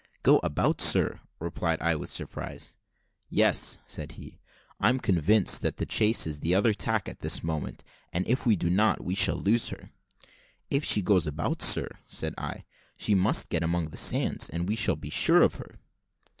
"Go about, sir?" replied I with surprise. "Yes," said he; "I'm convinced that the chase is on the other tack at this moment; and if we do not, we shall lose her." "If she goes about, sir," said I, "she must get among the sands, and we shall be sure of her."